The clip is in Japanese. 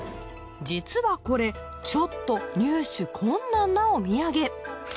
実はこれちょっと入手困難なお土産。